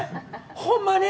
ほんまに？